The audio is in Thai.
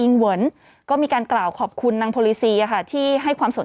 นางพลิซีก็มีการกล่าวขอบคุณนางพลิซีค่ะที่